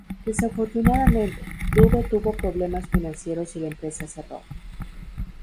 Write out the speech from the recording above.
Desafortunadamente, Lube tuvo problemas financieros y la empresa cerró.